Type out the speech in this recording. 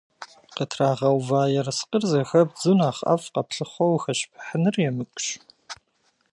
Къытрагъэува ерыскъыр зэхэбдзу, нэхъ ӏэфӏ къэплъыхъуэу ухэщыпыхьыныр емыкӏущ.